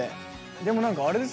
でも何かあれですね